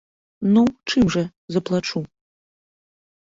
Ну, чым жа заплачу?